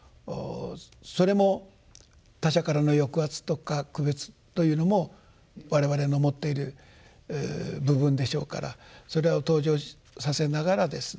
それも他者からの抑圧とか区別というのも我々の持っている部分でしょうからそれを登場させながらですね